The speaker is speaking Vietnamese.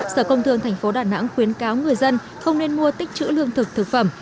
sở công thương tp đà nẵng khuyến cáo người dân không nên mua tích chữ lương thực thực phẩm